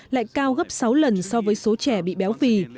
lại cao gấp sáu lần so với số trẻ bị béo phì